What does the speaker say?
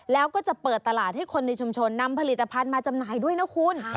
แล้วก็จะเปิดตลาดให้คนในชุมชนนำผลิตภัณฑ์มาจำหน่ายด้วยนะคุณ